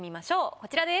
こちらです。